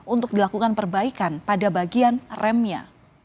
untuk dilakukan perbaikan pada bagian remnya